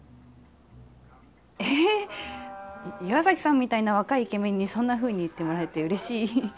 ええ岩崎さんみたいな若いイケメンにそんなふうに言ってもらえてうれしい。